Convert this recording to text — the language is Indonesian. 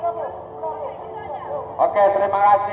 pemasalahan ini pemasalahan dari negara ini adalah ada di jokowi